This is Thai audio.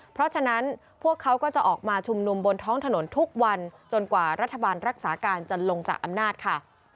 เพราะฉะนั้นพวกเขาก็จะออกมาชุมนุมบนท้องถนนทุกวันจนกว่ารัฐบาลรักษาการจะลงจากอำนาจค่ะ